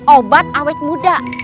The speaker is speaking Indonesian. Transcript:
obat awet muda